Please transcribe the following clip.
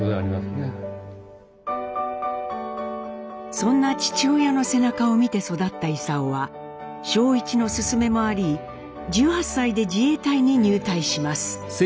そんな父親の背中を見て育った勲は正一の勧めもあり１８歳で自衛隊に入隊します。